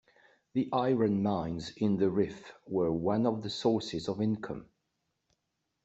The iron mines in the Rif were one of the sources of income.